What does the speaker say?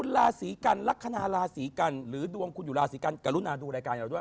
ราศีกันลักษณะราศีกันหรือดวงคุณอยู่ราศีกันกรุณาดูรายการเราด้วย